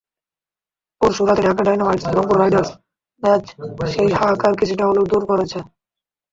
পরশু রাতে Dhaka ডায়নামাইটস-রংপুর Riders match সেই হাহাকার কিছুটা হলেও দূর করেছে।